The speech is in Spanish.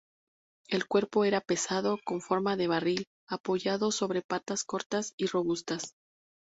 El cuerpo era pesado, con forma de barril, apoyado sobre patas cortas y robustas.